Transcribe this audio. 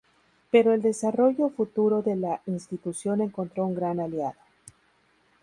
Pero el desarrollo futuro de la institución encontró un gran aliado.